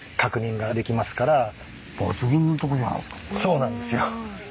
そうなんですよ